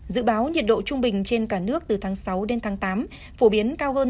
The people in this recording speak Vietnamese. dự báo nhiệt độ trung bình trên cả nước từ tháng sáu đến tháng tám phổ biến cao hơn